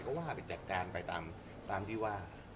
ก็ว่าไปจัดการไปตามที่ว่า